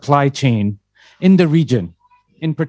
dalam jaringan pengeluaran di kumpulan